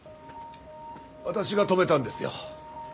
私が止めたんですよ。